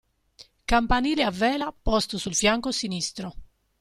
Campanile a vela posto sul fianco sinistro.